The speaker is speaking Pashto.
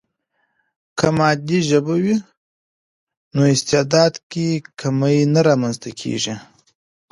که مادي ژبه وي، نو استعداد کې کمی نه رامنځته کیږي.